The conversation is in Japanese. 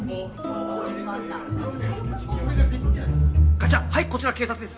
ガチャッはいこちら警察です！